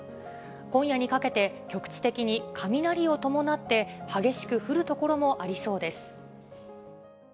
今夜にかけて、局地的に雷を伴って、激しく降る所もありそうです。